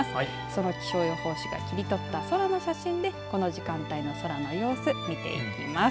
その気象予報士が切り取った空の写真でこの時間帯の空の様子見ていきます。